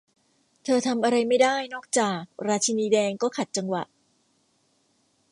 เธอทำอะไรไม่ได้นอกจาก 'ราชินีแดงก็ขัดจังหวะ